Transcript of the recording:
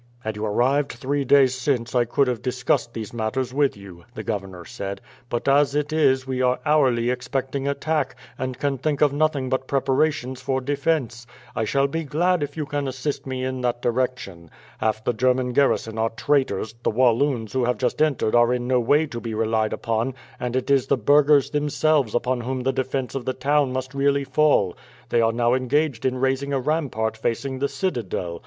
"Had you arrived three days since I could have discussed these matters with you," the governor said; "but as it is we are hourly expecting attack, and can think of nothing but preparations for defence. I shall be glad if you can assist me in that direction. Half the German garrison are traitors, the Walloons who have just entered are in no way to be relied upon, and it is the burghers themselves upon whom the defence of the town must really fall. They are now engaged in raising a rampart facing the citadel.